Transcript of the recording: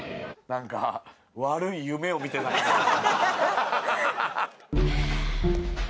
なんか悪い夢を見てたかのような。